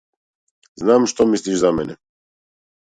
Знам што мислиш за мене.